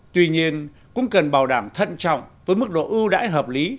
tuy nhiên cũng cần bảo đảm thận trọng với mức độ ưu đãi hợp lý